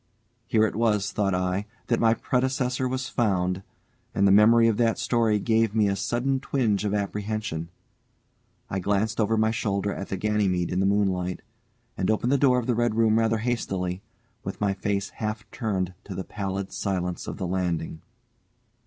Here it was, thought I, that my predecessor was found, and the memory of that story gave me a sudden twinge of apprehension. I glanced over my shoulder at the Ganymede in the moonlight, and opened the door of the red room rather hastily, with my face half turned to the pallid silence of the landing.